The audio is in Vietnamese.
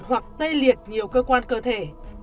hoặc tê liệt nhiều cơ quan cơ thể